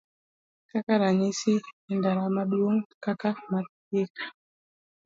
Kaka ranyisi, e ndara maduong' kaka ma Thika,